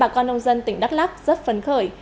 bà con nông dân tỉnh đắk lắc rất phấn khởi